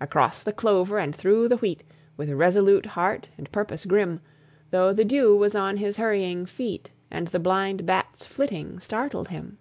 Across the clover, and through the wheat, With resolute heart and purpose grim: Though the dew was on his hurrying feet, And the blind bat's flitting startled him.